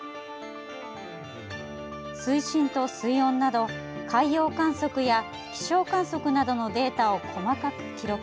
水深と水温など海洋観測や気象観測などのデータを細かく記録。